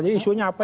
jadi isunya apa ya